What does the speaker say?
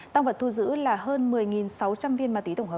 tăng vật thu giữ là hơn một mươi sáu trăm linh